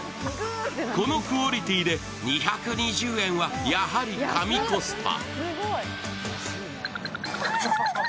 このクオリティーで２２０円はやはり神コスパ。